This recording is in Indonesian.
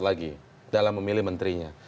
lagi dalam memilih menterinya